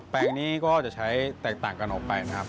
นี้ก็จะใช้แตกต่างกันออกไปนะครับ